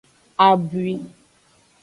Abwi.